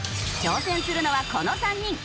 挑戦するのはこの３人。